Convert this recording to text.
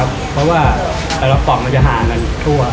เพราะว่าแต่ละปล่องมันจะห่างกันทั่ว